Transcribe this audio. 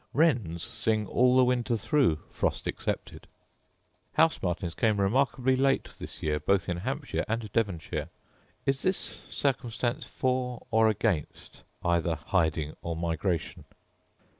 Wrens sing all the winter through, frost excepted. House martins came remarkably late this year both in Hampshire and Devonshire: is this circumstance for or against either hiding or migration